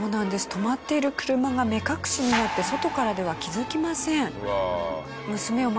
止まっている車が目隠しになって外からでは気づきません。